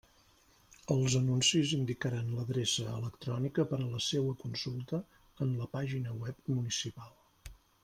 Els anuncis indicaran l'adreça electrònica per a la seua consulta en la pàgina web municipal.